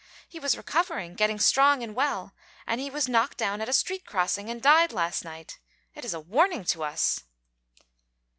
He was recovering, getting strong and well, and he was knocked down at a street crossing and died last night. It is a warning to us!'